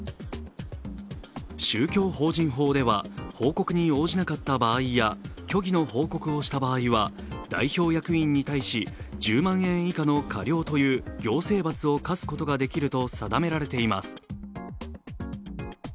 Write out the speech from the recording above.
宗教法人法では、報告に応じなかった場合や虚偽の報告をした場合は代表役員に対し１０万円以下の過料という行政罰を科すことができると定められています。